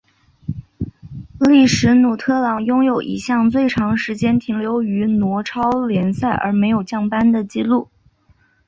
利尼史特朗拥有一项最长时间停留于挪超联赛而没有降班的纪录。